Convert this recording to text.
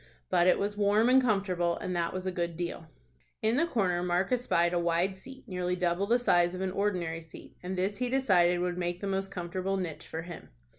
But it was warm and comfortable, and that was a good deal. In the corner Mark espied a wide seat nearly double the size of an ordinary seat, and this he decided would make the most comfortable niche for him.